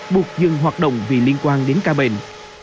buộc dừng hoạt động vì liên quan đến ca bệnh